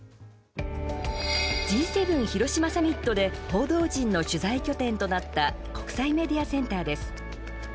Ｇ７広島サミットで報道陣の取材拠点となった国際メディアセンターです。